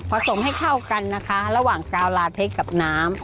สมให้เข้ากันนะคะระหว่างกาวลาเทคกับน้ำ